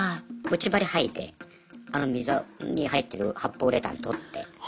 内張りはいであの溝に入ってる発泡ウレタン取って。